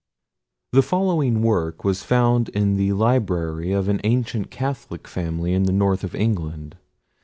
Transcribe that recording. The following work was found in the library of an ancient Catholic family in the north of England.